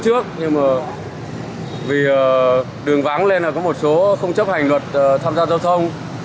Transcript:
trước nhưng mà vì đường vắng lên là có một số không chấp hành luật tham gia giao thông